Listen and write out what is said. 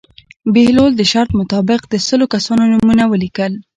بهلول د شرط مطابق د سلو کسانو نومونه ولیکل.